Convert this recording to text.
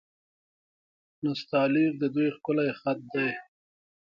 نستعلیق د دوی ښکلی خط دی.